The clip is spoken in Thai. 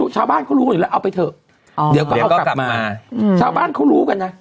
ชาวบ้านก็รู้กันอยู่แล้วเอาไปเถอะเดี๋ยวก็เอากลับมาชาวบ้านเขารู้กันนะ